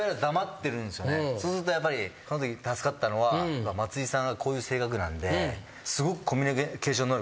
そうするとやっぱりこのとき助かったのは松井さんがこういう性格なんですごく。